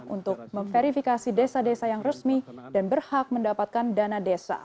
untuk memverifikasi desa desa yang resmi dan berhak mendapatkan dana desa